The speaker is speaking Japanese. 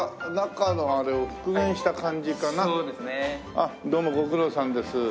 あっどうもご苦労さんです。